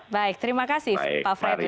baik terima kasih pak fredri